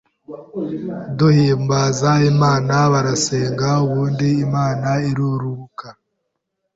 duhimbaza Imana barasenga ubundi Imana irururuka